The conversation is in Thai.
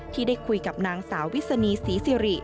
ที่ได้คุยกับนางสาววิศนีศรีสิริ